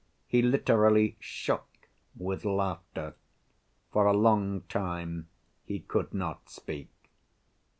He literally shook with laughter. For a long time he could not speak.